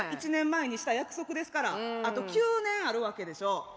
１年前にした約束ですからあと９年あるわけでしょ。